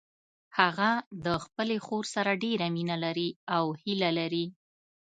هغه د خپلې خور سره ډیره مینه کوي او هیله لري